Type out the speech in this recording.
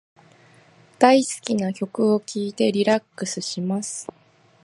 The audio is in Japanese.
大好きな曲を聞いてリラックスします。